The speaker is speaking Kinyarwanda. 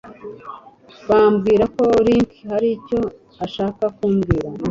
bambwira ko Ricky hari icyo ashaka kumbwira…